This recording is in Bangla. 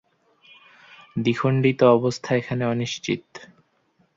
দ্বিখণ্ডিত অবস্থা এখানে অনিশ্চিত।